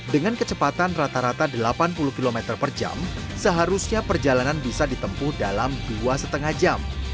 dengan kecepatan rata rata delapan puluh km per jam seharusnya perjalanan bisa ditempuh dalam dua lima jam